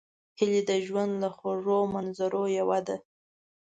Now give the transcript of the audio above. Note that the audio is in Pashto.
هیلۍ د ژوند له خوږو منظرو یوه ده